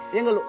iya gak lu